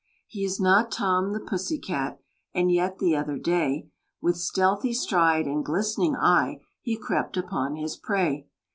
He is not Tom the pussy cat, And yet the other day, With stealthy stride and glistening eye, He crept upon his prey.